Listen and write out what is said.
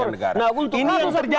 jadi ini adalah pemerintah yang gagal